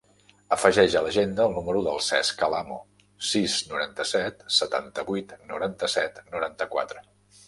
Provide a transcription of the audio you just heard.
Afegeix a l'agenda el número del Cesc Alamo: sis, noranta-set, setanta-vuit, noranta-set, noranta-quatre.